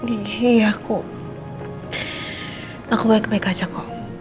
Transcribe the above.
iya aku aku baik baik aja kok